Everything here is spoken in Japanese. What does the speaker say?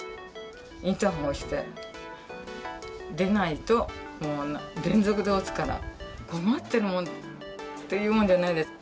インターホン押して、出ないと、連続で押すから、困ってるっていうもんじゃないです。